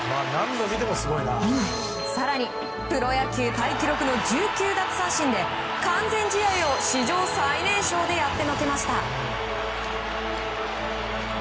更にプロ野球タイ記録の１９奪三振で完全試合を史上最年少でやってのけました。